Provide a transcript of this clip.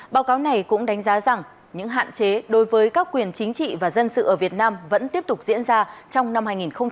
báo cáo này cũng đánh giá rằng những hạn chế đối với các quyền chính trị và dân sự ở việt nam vẫn tiếp tục diễn ra trong năm hai nghìn một mươi chín